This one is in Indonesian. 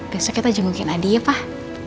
besoknya kita jengukin adi ya pak